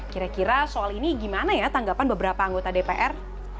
kira kira soal ini gimana ya tanggapan beberapa anggota dpr